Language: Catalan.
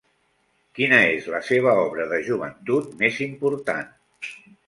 Quina és la seva obra de joventut més important?